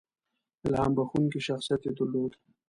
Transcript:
• الهام بښونکی شخصیت یې درلود.